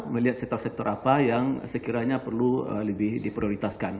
melihat sektor sektor apa yang sekiranya perlu lebih diprioritaskan